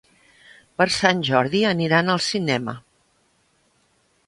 Per Sant Jordi aniran al cinema.